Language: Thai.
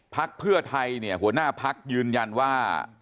พักเพื่อไทยเนี่ยหัวหน้าพักยืนยันว่า